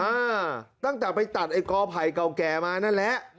อ่าตั้งแต่ไปตัดไอ้กอไผ่เก่าแก่มานั่นแหละ